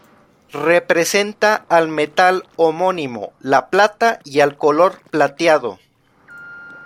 Representa al metal homónimo, la plata, y al color plateado.